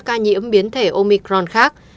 và các ca nhiễm biến thể omicron khác